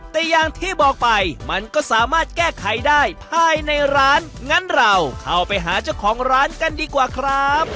แต่อย่างที่บอกไปมันก็สามารถแก้ไขได้ภายในร้านงั้นเราเข้าไปหาเจ้าของร้านกันดีกว่าครับ